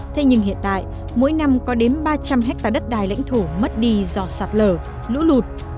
thế nhưng hiện tại mỗi năm có đến ba trăm linh hectare đất đai lãnh thổ mất đi do sạt lở lũ lụt